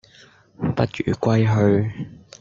不如歸去